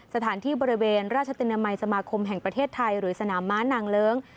สถานที่บริเวณราชตินามัยสมาคมแห่งประเทศไทยหรือสนามม้านางเลิ้ง